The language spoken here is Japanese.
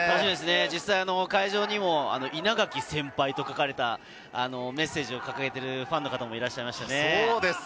実際、会場にも「稲垣先輩」と書かれたメッセージを掲げているファンの方もいらっしゃいましたね。